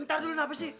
ntar dulu kenapa sih